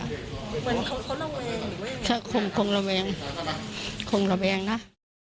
เหมือนเขาละแวงคงละแวงคงละแวงนะ